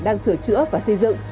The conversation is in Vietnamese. đang sửa chữa và xây dựng